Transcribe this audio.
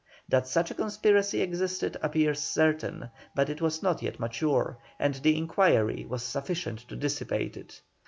That such a conspiracy existed appears certain, but it was not yet mature, and the inquiry was sufficient to dissipate it.